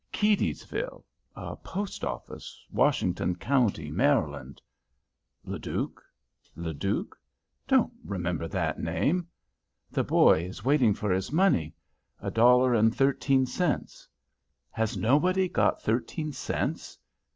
"Keedysville, a post office, Washington Co., Maryland." Leduc? Leduc? Don't remember that name. The boy is waiting for his money. A dollar and thirteen cents. Has nobody got thirteen cents?